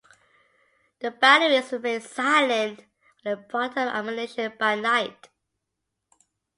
The batteries remained silent while they brought up ammunition by night.